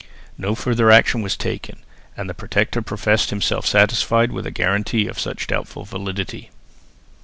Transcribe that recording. No further action was taken, and the Protector professed himself satisfied with a guarantee of such doubtful validity.